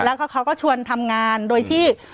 แล้วเขาก็ชวนทำงานโดยที่